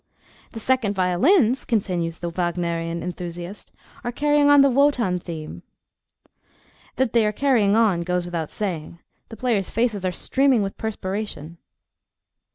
"The second violins," continues the Wagnerian enthusiast, "are carrying on the Wotan theme." That they are carrying on goes without saying: the players' faces are streaming with perspiration.